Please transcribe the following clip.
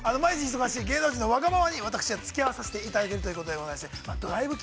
◆そうそう、毎日忙しい芸能人のわがままに、私はつき合っていただいてるということでございます。